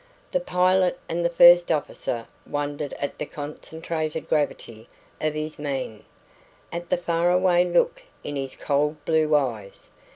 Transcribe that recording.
The pilot and the first officer wondered at the concentrated gravity of his mien, at the faraway look in his cold blue eyes.